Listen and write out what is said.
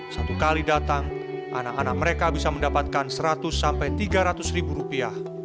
satu kali datang anak anak mereka bisa mendapatkan seratus sampai tiga ratus ribu rupiah